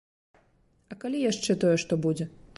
А калі яшчэ тое што будзе?